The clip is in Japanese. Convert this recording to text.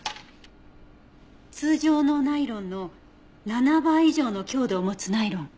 通常のナイロンの７倍以上の強度を持つナイロン。